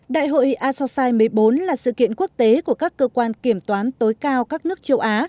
đại hội asosai một mươi bốn là sự kiện quốc tế của các cơ quan kiểm toán tối cao các nước châu á